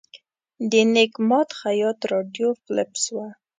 د نیک ماد خیاط راډیو فلپس وه.